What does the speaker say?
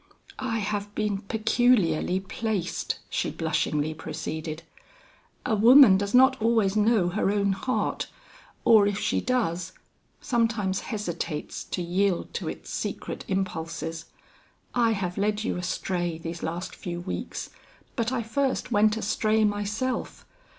I have been peculiarly placed," she blushingly proceeded. "A woman does not always know her own heart, or if she does, sometimes hesitates to yield to its secret impulses. I have led you astray these last few weeks, but I first went astray myself.